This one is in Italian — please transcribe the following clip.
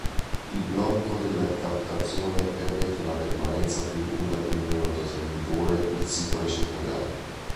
Il blocco della ricaptazione permette una permanenza più lunga del neurotrasmettitore nel sito recettoriale.